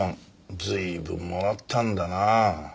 随分もらったんだなあ。